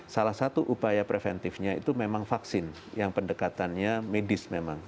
salah satu upaya preventifnya itu memang vaksin yang pendekatannya medis memang